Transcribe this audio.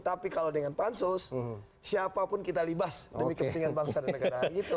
tapi kalau dengan pansus siapapun kita libas demi kepentingan bangsa dan negara